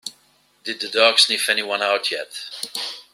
Did the dog sniff anyone out yet?